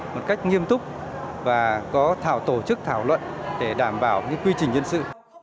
một cách nghiêm túc và có tổ chức thảo luận để đảm bảo quy trình nhân sự